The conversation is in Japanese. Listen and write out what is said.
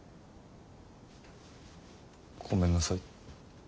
ごめんなさい。